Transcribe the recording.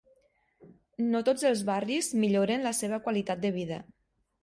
No tots els barris milloren la seva qualitat de vida.